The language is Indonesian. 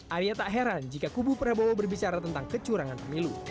arya tak heran jika kubu prabowo berbicara tentang kecurangan pemilu